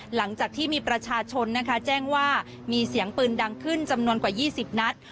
หลังจากที่มีประชาชนนะคะแจ้งว่ามีเสียงปืนดังขึ้นจำนวนกว่า๒๐นัด